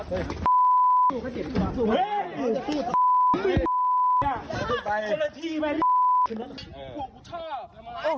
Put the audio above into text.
ขึ้นไปคุยกันข้างบน